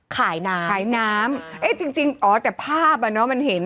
ขายน้ำขายน้ำเอ๊ะจริงจริงอ๋อแต่ภาพอ่ะเนอะมันเห็น